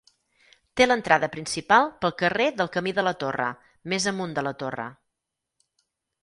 Té l'entrada principal pel carrer del Camí de la Torre, més amunt de la Torre.